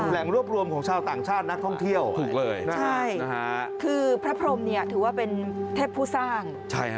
แหล่งรวบรวมของชาวต่างชาตินักท่องเที่ยวถูกเลยใช่คือพระพรมเนี่ยถือว่าเป็นเทพผู้สร้าง